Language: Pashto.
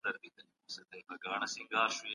چي دي سرې اوښکي